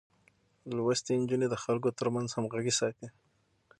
لوستې نجونې د خلکو ترمنځ همغږي ساتي.